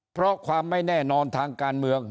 เพราะความไม่แน่นอนทางการเมือง